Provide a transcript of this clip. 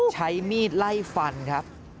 ใช้มีดไล่ฟันครับ